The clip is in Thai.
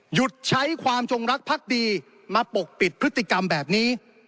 หยุดใช้ความจงรักพักดีมาปกปิดพฤติกรรมแบบนี้